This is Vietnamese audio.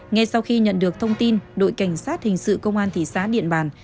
ngay sau khi nhận được thông tin đội cảnh sát hình sự công an thị xã điện bàn